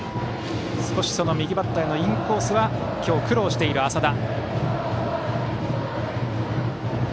右バッターへのインコースは苦労している淺田。